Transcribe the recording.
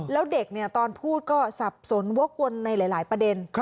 แล้วเด็กตอนพูดก็สับสนวกวนในหลายประเด็น